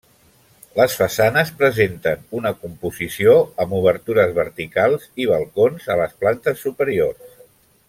Les façanes presenten una composició amb obertures verticals i balcons a les plantes superiors.